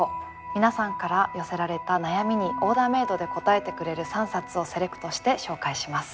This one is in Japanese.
皆さんから寄せられた悩みにオーダーメードで答えてくれる３冊をセレクトして紹介します。